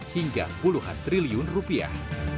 hingga puluhan triliun rupiah